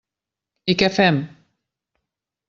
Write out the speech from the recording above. I què fem?